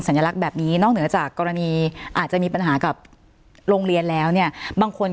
สัญลักษณ์แบบนี้นอกเหนือจากกรณีอาจจะมีปัญหากับโรงเรียนแล้วเนี่ยบางคน